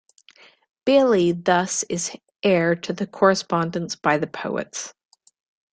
Bailey thus is heir to the correspondence by the poets.